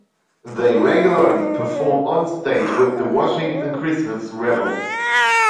They regularly perform onstage with the Washington Christmas Revels.